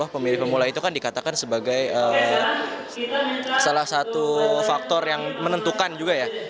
pemilih pemula itu kan dikatakan sebagai salah satu faktor yang menentukan juga ya